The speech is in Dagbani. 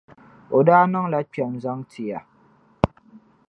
O daa niŋla kpɛma zaŋ ti ya.